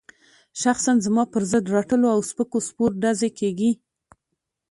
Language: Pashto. شخصاً زما پر ضد رټلو او سپکو سپور ډزې کېږي.